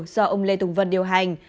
do ông lê tùng vân điều hành